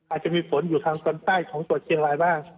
อาจจะมีฝนอยู่ทางตอนใต้ของตรวจเชียงรายบ้าง